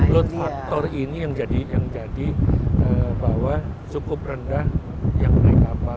load factor ini yang jadi bahwa cukup rendah yang mereka pakai